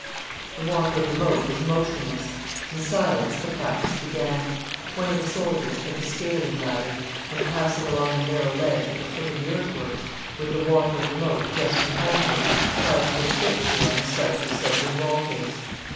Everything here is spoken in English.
The water of the moat was motionless. In silence the practice began. One of the soldiers took a scaling ladder, and passing along the narrow ledge at the foot of the earthworks, with the water of the moat just behind him, tried to get a fixture on the slightly sloping wall face.